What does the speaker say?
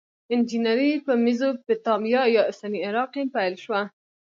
انجنیری په میزوپتامیا یا اوسني عراق کې پیل شوه.